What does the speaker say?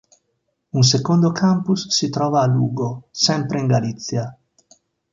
Un secondo campus si trova a Lugo, sempre in Galizia.